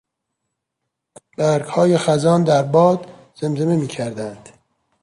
برگهای خزان در باد زمزمه میکردند.